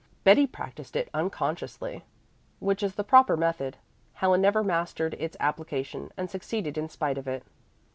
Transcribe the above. Betty practiced it unconsciously, which is the proper method. Helen never mastered its application and succeeded in spite of it.